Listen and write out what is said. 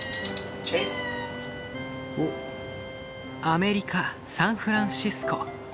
アメリカ・サンフランシスコ。